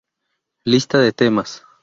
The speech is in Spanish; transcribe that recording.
Lista de temas